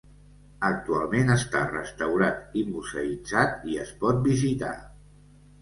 Actualment està restaurat i museïtzat i es pot visitar.